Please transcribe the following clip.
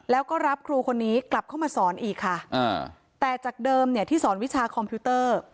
แล้วก็รับครูคนนี้กลับเข้ามาสอนอีกค่ะอ่าแต่จากเดิมเนี่ยที่สอนวิชาคอมพิวเตอร์